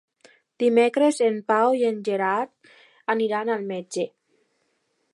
Dimecres en Pau i en Gerard aniran al metge.